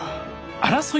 争い